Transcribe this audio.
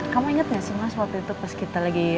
kamu inget gak sih mas waktu itu pas kita lagi